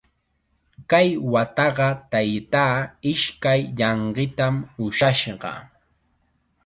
Kay wataqa taytaa ishkay llanqitam ushashqa.